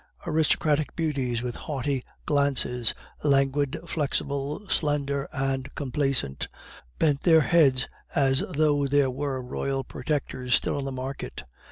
Aristocratic beauties with haughty glances, languid, flexible, slender, and complaisant, bent their heads as though there were royal protectors still in the market.